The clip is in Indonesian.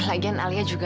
lagian alia juga